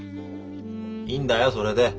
いいんだよそれで。